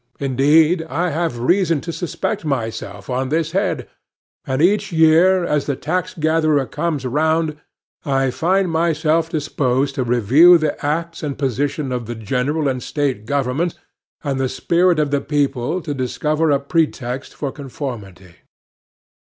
Indeed I have reason to suspect myself on this head; and each year, as the tax gatherer comes round, I find myself disposed to review the acts and position of the general and state governments, and the spirit of the people to discover a pretext for conformity.